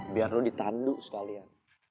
biar lo ditandu sekalian